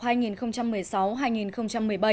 học kỳ hai năm học hai nghìn một mươi sáu hai nghìn một mươi bảy